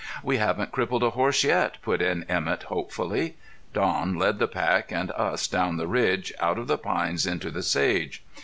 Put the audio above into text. "We haven't crippled a horse yet," put in Emett hopefully. Don led the pack and us down the ridge, out of the pines into the sage.